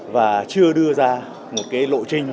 và chưa đưa ra một lộ trình